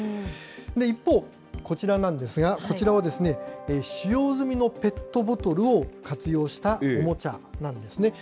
一方、こちらなんですが、こちらは使用済みのペットボトルを活用したおもちゃなんですね。